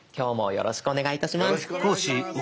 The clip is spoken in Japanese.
よろしくお願いします。